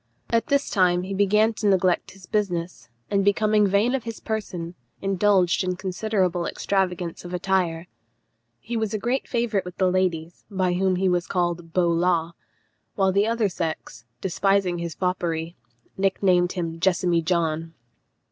At this time he began to neglect his business, and becoming vain of his person, indulged in considerable extravagance of attire. He was a great favourite with the ladies, by whom he was called Beau Law; while the other sex, despising his foppery, nicknamed him Jessamy John.